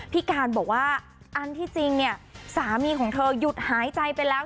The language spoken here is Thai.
พี่การบอกว่าอันที่จริงเนี่ยสามีของเธอหยุดหายใจไปแล้ว